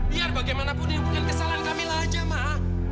biar bagaimanapun ini bukan kesalahan kami saja mah